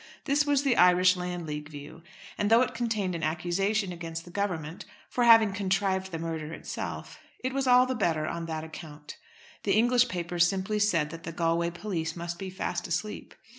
This was the Irish Landleague view; and though it contained an accusation against the Government for having contrived the murder itself, it was all the better on that account. The English papers simply said that the Galway police must be fast asleep.